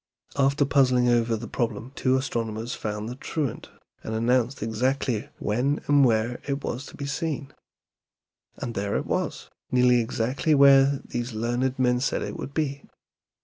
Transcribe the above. After puzzling over the problem two astronomers found the truant, and announced exactly when and where it was to be seen. And there it was, nearly exactly where these learned men said it would be.